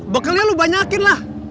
bekelnya lu banyakin lah